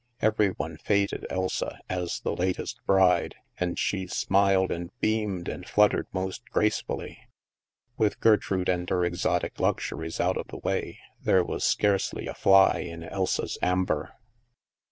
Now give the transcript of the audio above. Every one feted Elsa as the latest bride, and she smiled and beamed and fluttered most gracefully. With Gertrude and her exotic luxuries out of the way, there was scarcely a fly in Elsa's amber.